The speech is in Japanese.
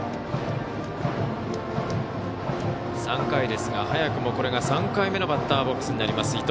３回ですが早くもこれが３回目のバッターボックスになります。